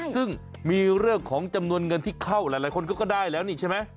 ซึ่งมีเรื่องของจำนวนเงินที่เข้าหลายคนก็ได้แล้วนี่ใช่ไหม